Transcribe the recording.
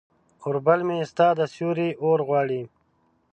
اوربل مې ستا د سیوري اورغواړي